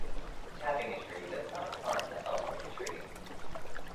Tapping a tree does not harm the health of the tree.